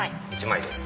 １枚です。